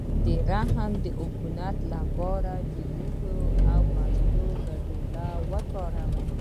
د رحم د عفونت لپاره د هوږې او مستو ګډول وکاروئ